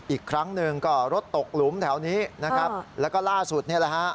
อีกครั้งหนึ่งก็รถตกหลุมแถวนี้นะครับแล้วก็ล่าสุดนี่แหละฮะ